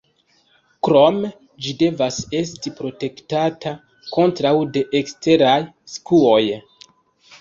Krome, ĝi devas esti protektata kontraŭ deeksteraj skuoj.